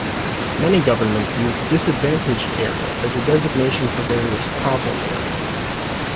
Many governments use "Disadvantaged area" as a designation for various "problem" areas.